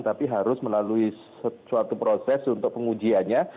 tapi harus melalui suatu proses untuk pengujiannya